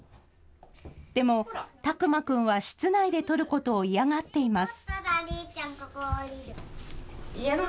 でも巧眞君は室内で撮ることを嫌がっています。